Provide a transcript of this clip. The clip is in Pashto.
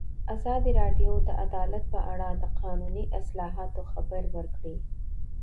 ازادي راډیو د عدالت په اړه د قانوني اصلاحاتو خبر ورکړی.